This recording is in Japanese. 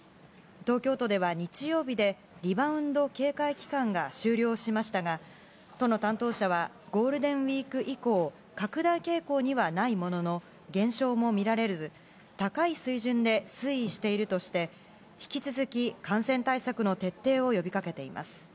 東京都では日曜日でリバウンド警戒期間が終了しましたが、都の担当者は、ゴールデンウィーク以降、拡大傾向にはないものの、減少も見られず、高い水準で推移しているとして、引き続き感染対策の徹底を呼びかけています。